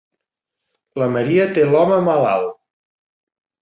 La Maria té l'home malalt.